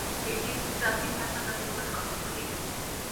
এটি একটি প্রাচীন ভাষা তাতে কোন সন্দেহ নেই।